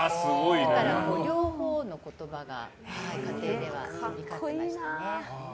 だから、両方の言葉が家庭では飛び交ってましたね。